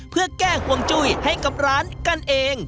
เพื่อแก้ห่วงจุ้ยให้กับร้านกันเอง